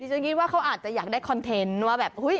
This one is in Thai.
ฉันคิดว่าเขาอาจจะอยากได้คอนเทนต์ว่าแบบ